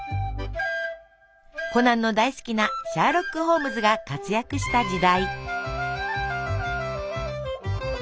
コナンの大好きなシャーロック・ホームズが活躍した時代。